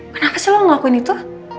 kenapa sih lo ngelakuin itu